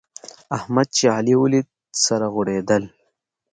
احمد چې علي وليد؛ سره غوړېدل.